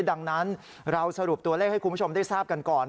ดังนั้นเราสรุปตัวเลขให้คุณผู้ชมได้ทราบกันก่อน